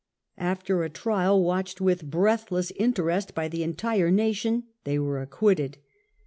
After a trial, watched with breathless interest by the entire nation, they were acquitted.